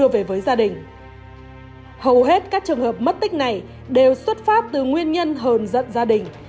với gia đình hầu hết các trường hợp mất tích này đều xuất phát từ nguyên nhân hờn giận gia đình